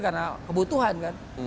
karena kebutuhan kan